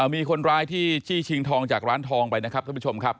มีคนร้ายที่จี้ชิงทองจากร้านทองไปนะครับท่านผู้ชมครับ